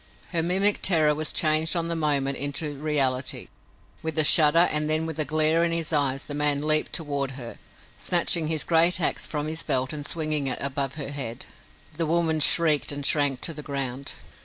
Her mimic terror was changed on the moment into reality. With a shudder and then with a glare in his eyes the man leaped toward her, snatching his great ax from his belt and swinging it above her head. The woman shrieked and shrank to the ground.